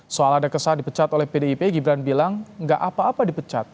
soal ada kesan dipecat oleh pdip gibran bilang nggak apa apa dipecat